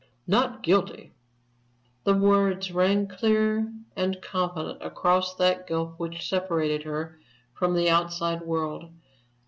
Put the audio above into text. "Not Guilty." The words rang clear and confident, across that gulf which separated her from the outside world.